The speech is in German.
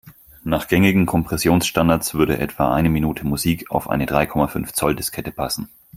Nach gängigen Kompressionsstandards würde etwa eine Minute Musik auf eine drei Komma fünf Zoll-Diskette passen.